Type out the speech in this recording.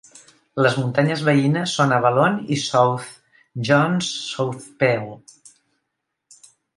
Les muntanyes veïnes són Avalon i South John's South Pearl.